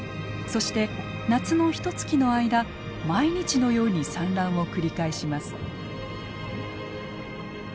そして夏のひとつきの間毎日のように産卵を繰り返します。